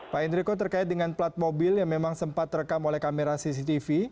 pak hendriko terkait dengan plat mobil yang memang sempat terekam oleh kamera cctv